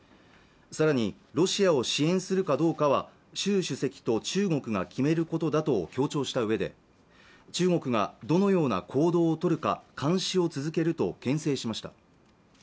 さらにロシアを支援するかどうかは習主席と中国が決めることだと強調したうえで中国がどのような行動をとるか監視を続けるとけん制しました